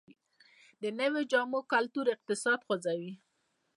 د نویو جامو کلتور اقتصاد خوځوي